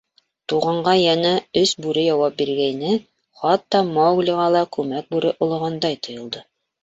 Туғанға йәнә өс бүре яуап биргәйне, хатта Мауглиға ла күмәк бүре олоғандай тойолдо.